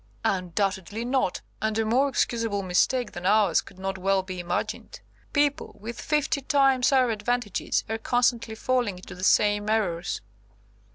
"Undoubtedly not, and a more excusable mistake than ours could not well be imagined. People, with fifty times our advantages, are constantly falling into the same errors."